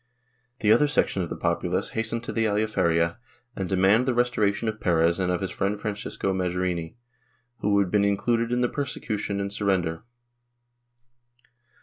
The other section of the populace hastened to the Aljaferia and demanded the restoration of Perez and of his friend Francisco Majorini, who had been included in the prosecution and surrender.